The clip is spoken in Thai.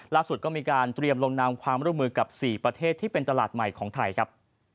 ก็มีการเตรียมลงนามความร่วมมือกับ๔ประเทศที่เป็นตลาดใหม่ของไทยครับ